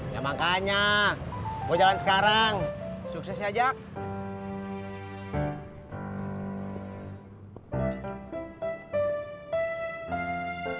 ya makanya gua jangan kesiangan